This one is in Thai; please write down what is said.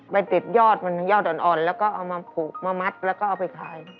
ไปติดยอดมันเป็นยอดอ่อนแล้วก็เอามาผูกมามัดแล้วก็เอาไปขาย